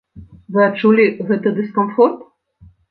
Вы адчулі гэты дыскамфорт?